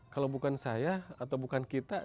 kalau bukan saya atau bukan kita